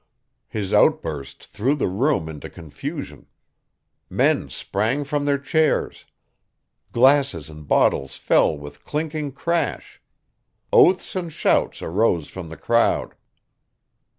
His outburst threw the room into confusion. Men sprang from their chairs. Glasses and bottles fell with clinking crash. Oaths and shouts arose from the crowd.